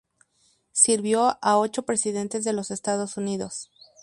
Sirvió a ocho presidentes de los Estados Unidos.